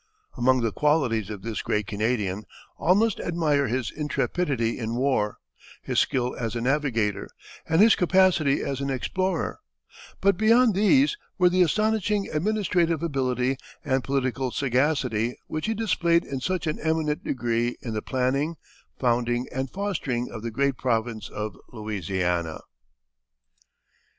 Among the qualities of this great Canadian all must admire his intrepidity in war, his skill as a navigator, and his capacity as an explorer; but beyond these were the astonishing administrative ability and political sagacity which he displayed in such an eminent degree in the planning, founding, and fostering of the great province of Louisiana.